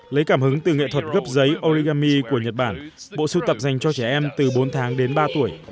lấy cảm hứng từ nghệ thuật gấp giấy origami của nhật bản bộ sưu tập dành cho trẻ em từ bốn tháng đến ba tuổi